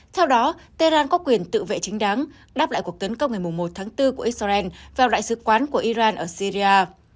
theo đó tehran có quyền tự vệ chính đáng đáp lại cuộc tấn công ngày một tháng bốn của israel vào đại sứ quán của iran ở syria